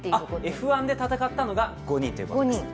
Ｆ１で戦ったのが５人ということです。